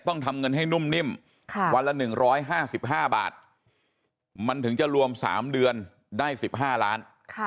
ต้องทำเงินให้นุ่มนิ่มวันละ๑๕๕บาทมันถึงจะรวม๓เดือนได้๑๕ล้าน